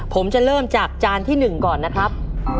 ผมจะเริ่มจากจานที่๑ก่อนนะครับ